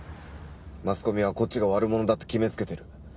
マスコミはこっちが悪者だって決めつけてる。